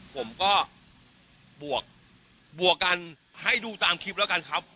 ผมก็บวกกันให้ดูตามคลิปแล้วกันครับ